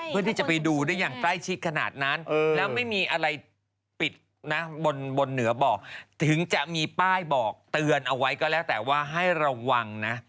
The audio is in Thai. เพื่อที่จะไปดูได้อย่างใต้ชิดขนาดนั้น